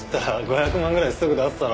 ５００万ぐらいすぐ出すだろ。